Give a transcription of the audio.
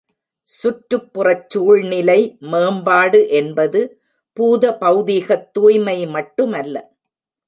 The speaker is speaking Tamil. சுற்றுப்புறச் சூழ்நிலை மேம்பாடு என்பது பூத பெளதிகத் தூய்மை மட்டுமல்ல.